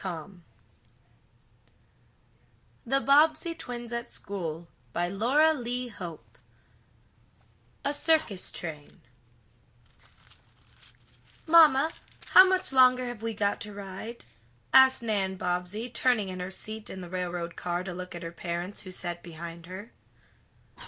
209 THE BOBBSEY TWINS AT SCHOOL CHAPTER I A CIRCUS TRAIN "MAMMA, how much longer have we got to ride?" asked Nan Bobbsey, turning in her seat in the railroad car, to look at her parents, who sat behind her.